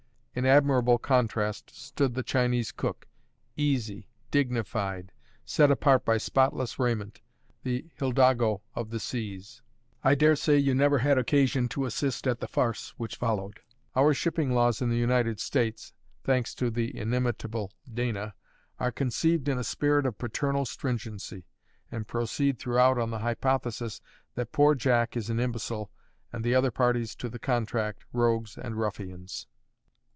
In admirable contrast, stood the Chinese cook, easy, dignified, set apart by spotless raiment, the hidalgo of the seas. I daresay you never had occasion to assist at the farce which followed. Our shipping laws in the United States (thanks to the inimitable Dana) are conceived in a spirit of paternal stringency, and proceed throughout on the hypothesis that poor Jack is an imbecile, and the other parties to the contract, rogues and ruffians.